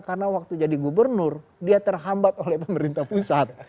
karena waktu jadi gubernur dia terhambat oleh pemerintah pusat